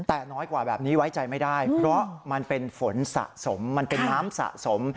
แต่น้อยกว่าแบบนี้ไว้ใจไม่ได้เพราะมันเป็นฝนสะสมมันเป็นน้ำสะสม